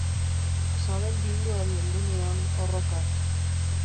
Sabel minduari heldu nion, orroka.